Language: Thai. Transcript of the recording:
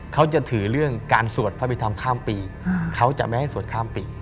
เขาจะถือเรื่องการสวดพระพิธรรมข้ามปีเขาจะไม่ให้สวดข้ามปี